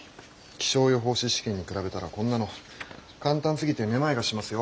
気象予報士試験に比べたらこんなの簡単すぎてめまいがしますよ。